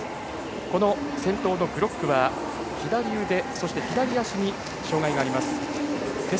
この先頭のグロックは左腕、左足に障がいがあります。